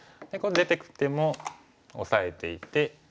出ていく手もオサえていて。